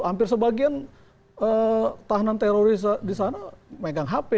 hampir sebagian tahanan teroris di sana megang hp